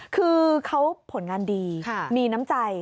คือเขาผลงานดีมีน้ำใจ